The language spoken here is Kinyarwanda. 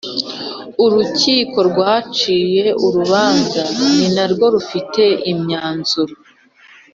Urukiko rwaciye urubanza ni na rwo rufite imyanzuro